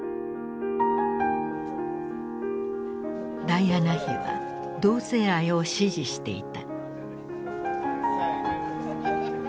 ダイアナ妃は同性愛を支持していた。